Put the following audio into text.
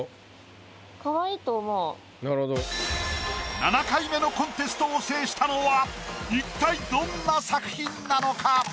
７回目のコンテストを制したのは一体どんな作品なのか？